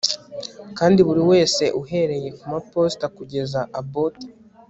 Kandi buriwese uhereye kumaposita kugeza abot